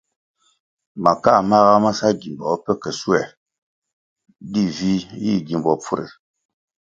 Makā māga ma sa gimbo pe ke schuoē, di vih yih gimbo pfure.